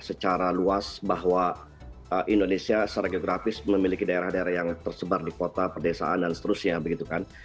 secara luas bahwa indonesia secara geografis memiliki daerah daerah yang tersebar di kota perdesaan dan seterusnya begitu kan